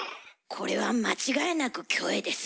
これは間違いなくキョエです。